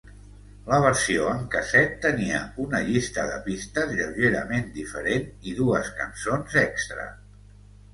La versió en casset tenia una llista de pistes lleugerament diferent i dues cançons extra.